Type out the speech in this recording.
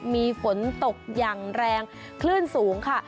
มีฝนตกอย่างแรงคลื่นสูงค่ะ